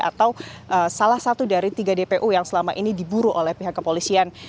atau salah satu dari tiga dpu yang selama ini diburu oleh pihak kepolisian